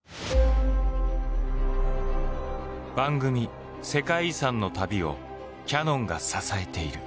番組「世界遺産」の旅をキヤノンが支えている。